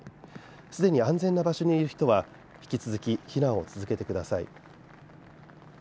すでに安全な場所にいる人は引き続き避難を続けてください。